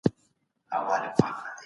پخواني ائتلافونه ژوندی دي.